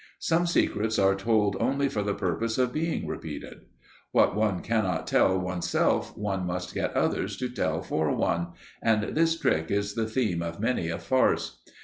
Some secrets are told only for the purpose of being repeated. What one cannot tell one's self one must get others to tell for one, and this trick is the theme of many a farce.